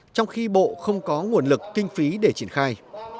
trong khi bộ không có nguồn lực kinh phí để triển khai